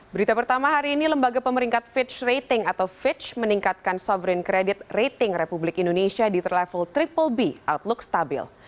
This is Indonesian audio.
berita pertama hari ini lembaga pemeringkat fitch rating atau fitch meningkatkan sovereig credit rating republik indonesia di level triple b outlook stabil